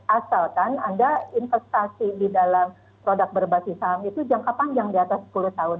asalkan anda investasi di dalam produk berbasis saham itu jangka panjang di atas sepuluh tahun